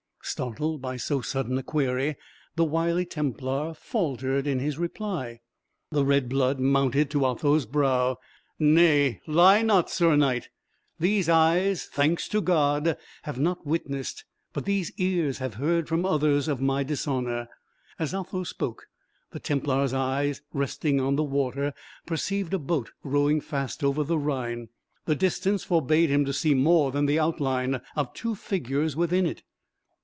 Startled by so sudden a query, the wily Templar faltered in his reply. The red blood mounted to Otho's brow. "Nay, lie not, sir knight; these eyes, thanks to God! have not witnessed, but these ears have heard from others of my dishonour." As Otho spoke, the Templar's eye resting on the water, perceived a boat rowing fast over the Rhine; the distance forbade him to see more than the outline of two figures within it.